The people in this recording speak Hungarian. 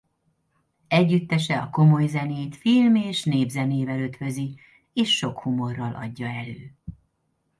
Együttese a komolyzenét film- és népzenével ötvözi és sok humorral adja elő.